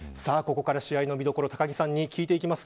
試合の見どころ高木さんに聞いてきます。